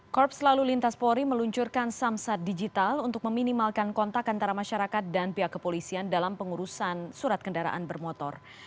korps lalu lintas polri meluncurkan samsat digital untuk meminimalkan kontak antara masyarakat dan pihak kepolisian dalam pengurusan surat kendaraan bermotor